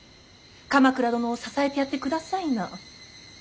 鎌倉殿を支えてやってくださいな。